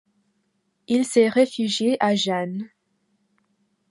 Il s'est réfugié à Gênes.